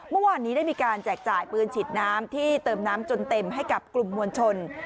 เมื่อวานนี้ได้มีการแจกจ่ายปืนฉีดน้ำที่เติมน้ำจนเต็มให้กับกลุ่มมวลชน